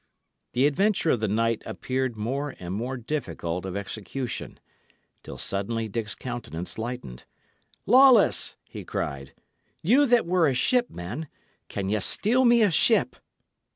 The adventure of the night appeared more and more difficult of execution, till suddenly Dick's countenance lightened. "Lawless!" he cried, "you that were a shipman, can ye steal me a ship?"